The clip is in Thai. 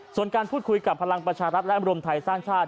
ส่วนการพูดคุยกับพลังประชารัฐและรวมไทยสร้างชาติ